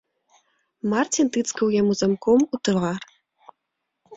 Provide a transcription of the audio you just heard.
Марцін тыцкаў яму замком у твар.